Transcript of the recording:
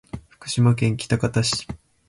福島県喜多方市